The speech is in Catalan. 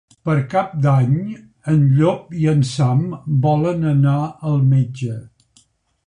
Per Cap d'Any en Llop i en Sam volen anar al metge.